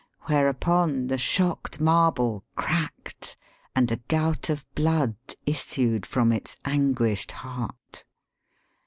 275 whereupon the shocked marble cracked and a gout of blood issued from its anguished heart.